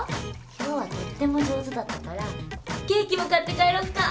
今日はとっても上手だったからケーキも買って帰ろっか。